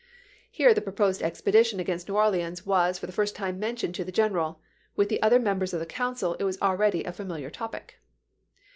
Here the .pro posed expedition against New Orleans was for the first time mentioned to the general ; with the other members of the council it was already a familiar topic.